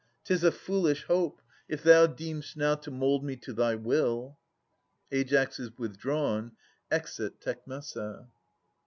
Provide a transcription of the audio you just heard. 'Tis a foolish hope, If thou deem'st now to mould me to thy will. [AiAS is withdrawn. Exit Tecmessa.